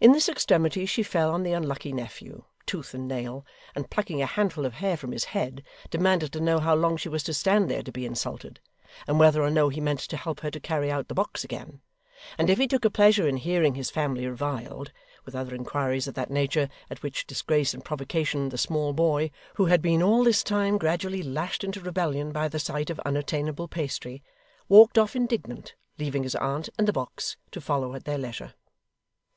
In this extremity she fell on the unlucky nephew, tooth and nail, and plucking a handful of hair from his head, demanded to know how long she was to stand there to be insulted, and whether or no he meant to help her to carry out the box again, and if he took a pleasure in hearing his family reviled: with other inquiries of that nature; at which disgrace and provocation, the small boy, who had been all this time gradually lashed into rebellion by the sight of unattainable pastry, walked off indignant, leaving his aunt and the box to follow at their leisure.